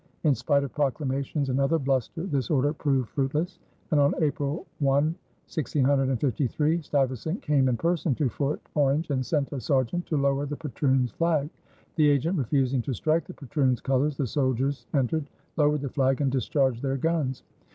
In spite of proclamations and other bluster this order proved fruitless and on April 1, 1653, Stuyvesant came in person to Fort Orange and sent a sergeant to lower the patroon's flag. The agent refusing to strike the patroon's colors, the soldiers entered, lowered the flag, and discharged their guns.